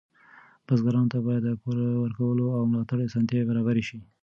بزګرانو ته باید د پور ورکولو او ملاتړ اسانتیاوې برابرې شي.